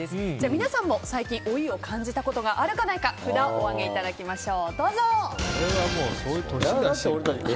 皆さんも最近老いを感じたことがあるかないか札をお上げいただきましょう。